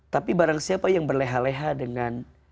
tapi barang siapa yang berleha leha dengan